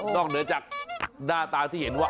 เหนือจากหน้าตาที่เห็นว่า